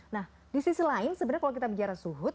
nah disisi lain sebenarnya kalau kita bicara zuhud